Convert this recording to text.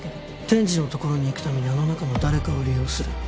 天智のところに行くためにあの中の誰かを利用する。